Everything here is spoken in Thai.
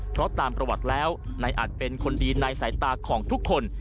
เพราะตามประวัติแล้วนายอัดเป็นคนดีในสายตาของทุกคน